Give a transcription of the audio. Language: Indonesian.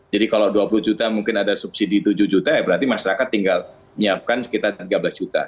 jadi kalau dua puluh juta mungkin ada subsidi tujuh juta ya berarti masyarakat tinggal menyiapkan sekitar tiga belas juta